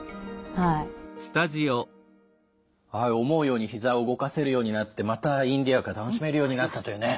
はい思うようにひざを動かせるようになってまたインディアカ楽しめるようになったというね。